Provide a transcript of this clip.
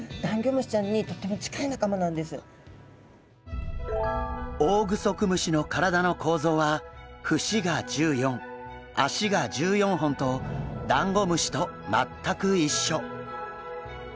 実はこのオオグソクムシの体の構造は節が１４脚が１４本とダンゴムシと全く一緒。